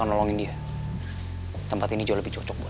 kalian cak collaborate di program program saya